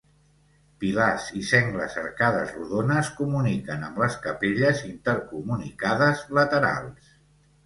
Pilars i sengles arcades rodones comuniquen amb les capelles -intercomunicades- laterals.